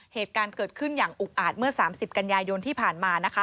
เหตุการณ์เกิดขึ้นอย่างอุกอาจเมื่อ๓๐กันยายนที่ผ่านมานะคะ